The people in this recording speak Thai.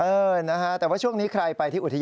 เออนะฮะแต่ว่าช่วงนี้ใครไปที่อุทยาน